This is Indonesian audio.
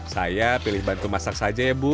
saya pilih bantu masak saja ya bu